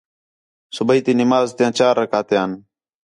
صُبیح تی نماز تیاں چار رکعتیان